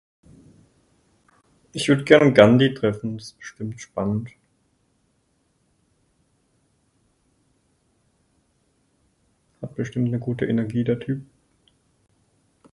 Ich würd gern Gandhi treffen, das is bestimmt spannend. Hat bestimmt ne Gute Energie der Typ.